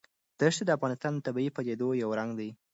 دښتې د افغانستان د طبیعي پدیدو یو رنګ دی.